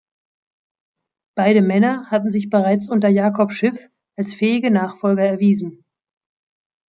Beide Männer hatten sich bereits unter Jacob Schiff als fähige Nachfolger erwiesen.